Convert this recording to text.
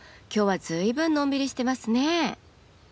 今日はずいぶんのんびりしてますね。